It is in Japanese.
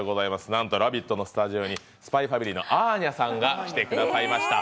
なんと「ラヴィット！」のスタジオに「ＳＰＹ×ＦＡＭＩＬＹ」のアーニャさんが来てくださいました。